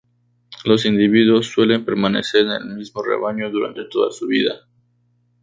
Los individuos suelen permanecer en el mismo rebaño durante toda su vida.